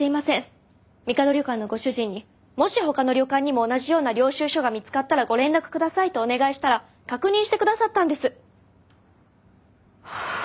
みかど旅館のご主人にもしほかの旅館にも同じような領収書が見つかったらご連絡下さいとお願いしたら確認して下さったんです。